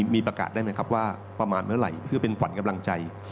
มีประกาศได้ไหมครับว่าประมาณเมื่อไหร่เพื่อเป็นขวัญกำลังใจ